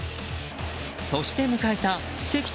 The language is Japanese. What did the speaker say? そして迎えた敵地